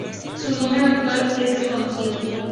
Su número actual es desconocido.